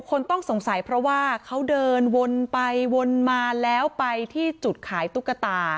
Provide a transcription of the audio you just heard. คนต้องสงสัยเพราะว่าเขาเดินวนไปวนมาแล้วไปที่จุดขายตุ๊กตา